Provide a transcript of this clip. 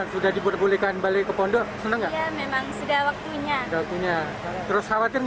sudah dibuat bolehkan balik ke pondok memang sudah waktunya terus khawatir